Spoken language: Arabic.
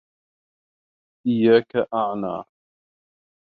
إيَّاكَ أَعَنَى